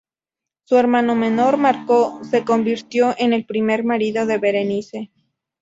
Su hermano menor, Marco, se convirtió en el primer marido de Berenice.